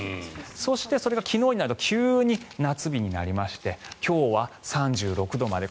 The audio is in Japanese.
そして、それが昨日になると急に夏日になりまして今日は３６度まで。